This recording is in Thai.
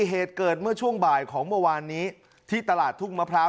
เหตุเกิดเมื่อช่วงบ่ายของเมื่อวานนี้ที่ตลาดทุ่งมะพร้าว